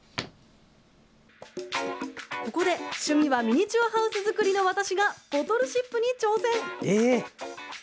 ここで趣味はミニチュアハウス作りの私がボトルシップに挑戦。